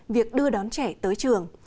việc đưa đón trẻ tới trường